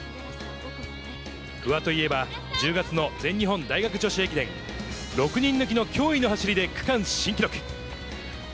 不破といえば、１０月の全日本大学女子駅伝、６人抜きの脅威の走りで区間新記録。